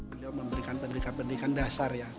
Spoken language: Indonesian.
beliau memberikan pendidikan pendidikan dasar ya